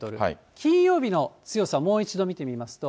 金曜日の強さ、もう一度見てみますと。